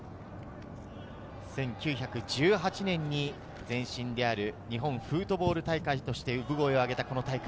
１９１８年に前身である日本フットボール大会として産声をあげたこの大会。